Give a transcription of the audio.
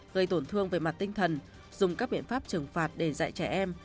gây tổn thương về mặt tinh thần dùng các biện pháp trừng phạt để dạy trẻ em